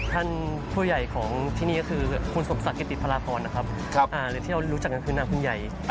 ท่านผู้ใหญ่ของที่นี่ก็คือคุณสมศักดิติพลากรนะครับหรือที่เรารู้จักกันคือนาคุณใหญ่